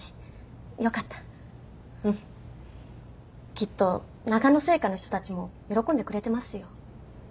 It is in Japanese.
きっとながの製菓の人たちも喜んでくれてますよ。